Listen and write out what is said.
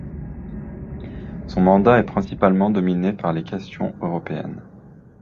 Son mandat est principalement dominé par les questions européennes.